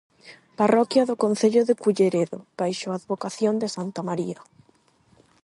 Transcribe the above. Parroquia do concello de Culleredo baixo a advocación de santa María.